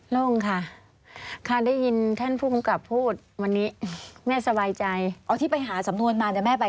โล่งค่ะข้าได้ยินท่านผู้กรุงกรับพูดวันนี้แม่สบายใจ